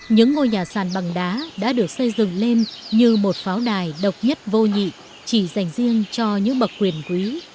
những ngôi nhà sàn hàng trăm năm tuổi là di sản quý giá mà người tày làng khổi kỵ còn giữ lại được